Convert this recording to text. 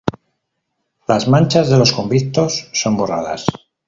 Las manchas de los convictos son borradas.